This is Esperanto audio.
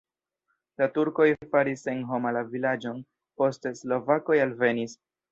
La turkoj faris senhoma la vilaĝon, poste slovakoj alvenis.